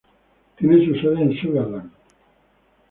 Tiene su sede en Sugar Land.